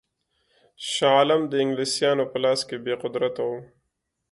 شاه عالم د انګلیسیانو په لاس کې بې قدرته وو.